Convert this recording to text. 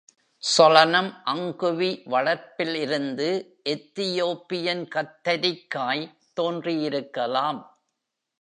"சோலனம் அங்குவி" வளர்ப்பில் இருந்து எத்தியோப்பியன் கத்திரிக்காய் தோன்றியிருக்கலாம்.